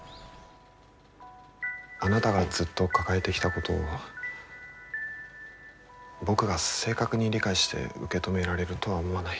あなたがずっと抱えてきたことを僕が正確に理解して受け止められるとは思わない。